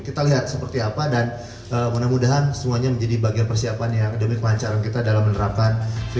kita lihat seperti apa dan mudah mudahan semuanya menjadi bagian persiapan yang demi kelancaran kita dalam menerapkan